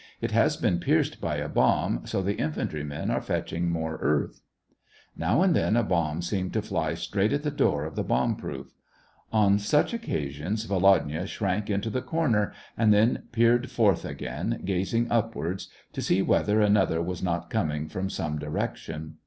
It has been pierced by a bomb, so the infantry men are fetching more earth." Now and then, a bomb seemed to fly straight at the door of the bomb proof. On such occa sions, Volodya shrank into the corner, and then peered forth again, gazing upwards, to see whether another was not coming from some direc tion.